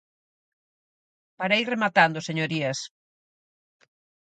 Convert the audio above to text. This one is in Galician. Para ir rematando, señorías.